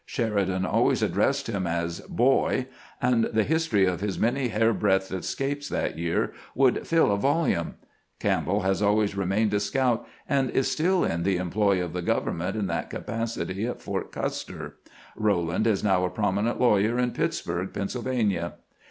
Sheridan always addressed him as " Boy," and the history of his many hairbreadth escapes that year would fill a volume. Campbell has always remained a scout and is still in the employ of the government in that capacity at Fort 400 CAMPAIGNING WITH GRANT Custer; Eowand is now a prominent lawyer in Pitts burg, Pennsylvania.